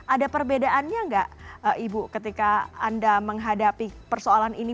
ada perbedaannya nggak ibu ketika anda menghadapi persoalan ini